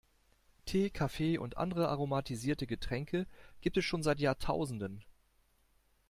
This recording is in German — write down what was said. Tee, Kaffee und andere aromatisierte Getränke gibt es schon seit Jahrtausenden.